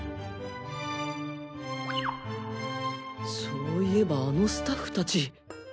そういえばあのスタッフたち。